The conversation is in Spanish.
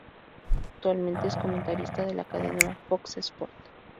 Actualmente es comentarista de la cadena Fox Sports.